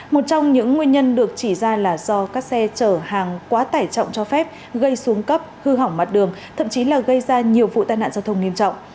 một trong những nguyên nhân được chỉ ra là do các xe chở hàng quá tải trọng cho phép gây xuống cấp hư hỏng mặt đường thậm chí là gây ra nhiều vụ tai nạn giao thông nghiêm trọng